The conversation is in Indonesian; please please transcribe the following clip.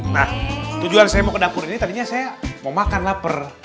nah tujuan saya mau ke dapur ini tadinya saya mau makan lapar